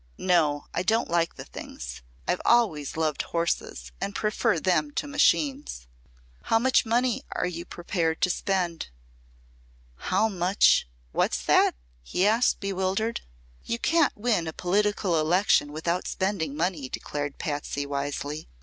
"No; I don't like the things. I've always loved horses and prefer them to machines." "How much money are you prepared to spend?" "How much what's that?" he asked, bewildered. "You can't win a political election without spending money," declared Patsy, wisely.